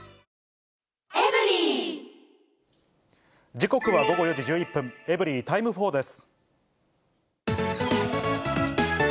時刻は午後４時１１分、エブリィタイム４です。